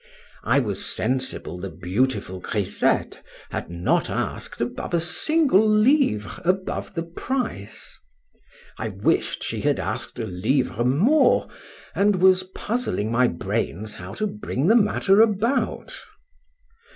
I was sensible the beautiful grisette had not asked above a single livre above the price.—I wish'd she had asked a livre more, and was puzzling my brains how to bring the matter about.